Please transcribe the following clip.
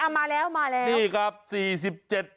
มาแล้วมาแล้ว